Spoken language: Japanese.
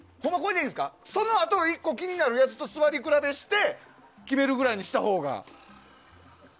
そのあと、１個気になるやつと座り比べして決めるぐらいにしたほうが。